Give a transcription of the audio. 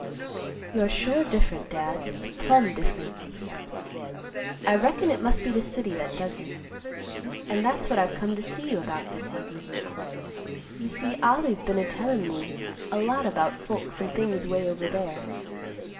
You're sure different, Dad; plumb different. I reckon it must be the city that does it. And that's what I've come to see you about this evenin'. You see Ollie's been a tellin' me a lot about folks and things way over there."